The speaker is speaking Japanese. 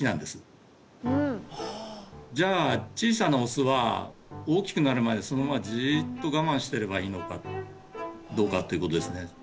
じゃあ小さなオスは大きくなるまでそのままじっとがまんしてればいいのかどうかっていうことですね。